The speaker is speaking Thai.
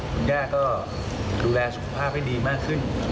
คุณย่าก็ดูแลสุขภาพให้ดีมากขึ้น